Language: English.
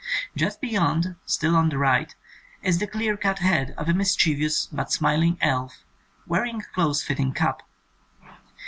Just beyond, still on the right, is the clear cut head of a mischievous but smiling elf wearing a close fitting cap.